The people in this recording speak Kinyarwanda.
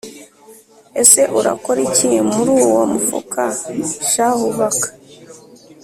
ese urakora iki muri uwo mufuka shahu baka?”